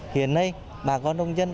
hiện nay bà con đông dân